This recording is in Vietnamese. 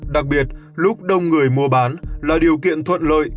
đặc biệt lúc đông người mua bán là điều kiện thuận lợi